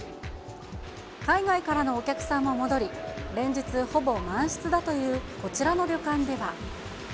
海外からのお客さんも戻り、連日ほぼ満室だというこちらの旅館では。